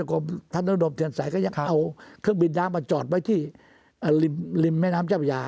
เครื่องบินน้ำมันจอดไว้ที่ริมแม่น้ำเจ้าอย่าง